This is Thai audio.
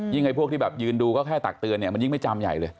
ไอ้พวกที่แบบยืนดูก็แค่ตักเตือนเนี่ยมันยิ่งไม่จำใหญ่เลย